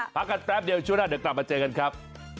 พักกันแป๊บเดียวช่วงหน้าเดี๋ยวกลับมาเจอกันครับ